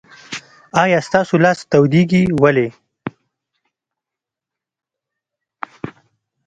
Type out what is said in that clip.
آیا ستاسو لاس تودیږي؟ ولې؟